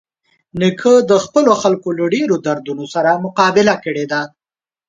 نیکه د خپلو خلکو له ډېرۍ دردونو سره مقابله کړې ده.